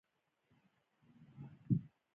د ویښتانو ږمنځول د وینې جریان تېزوي.